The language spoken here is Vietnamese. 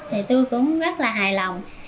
thì tôi cũng rất là hài lòng